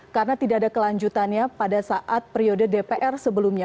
karena tidak ada kelanjutannya pada saat periode dpr sebelumnya